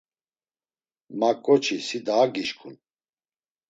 Maǩoçi si daa gişǩun.